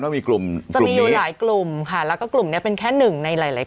ว่ามีกลุ่มกลุ่มค่ะแล้วก็กลุ่มนี้เป็นแค่หนึ่งในหลาย